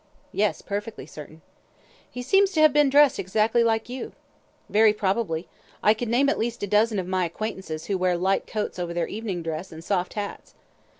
"Yes, perfectly certain." "He seems to have been dressed exactly like you." "Very probably. I could name at least a dozen of my acquaintances who wear light coats over their evening dress, and soft hats."